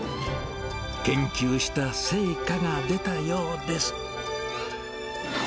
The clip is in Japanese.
研究した成果が出たようです。